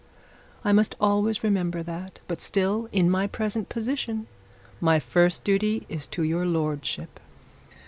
I must always remember that. But still, in my present position, my first duty is to your lordship.'